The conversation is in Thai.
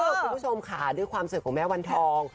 องค์สวีต์ค่าด้วยความสวยของแม่วันทอง